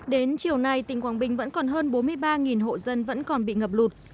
đến chiều nay tỉnh quảng bình vẫn còn hơn bốn mươi ba hộ dân vẫn còn bị ngập lụt